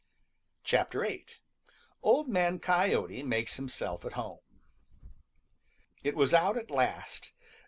VIII. OLD MAN COYOTE MAKES HIMSELF AT HOME |IT was out at last.